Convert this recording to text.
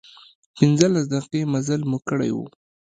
پنځلس دقيقې مزل مو کړی و.